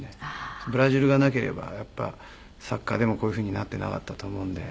ブラジルがなければやっぱりサッカーでもこういうふうになっていなかったと思うんで。